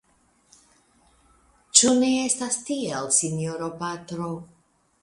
Ĉu ne estas tiel, sinjoro patro?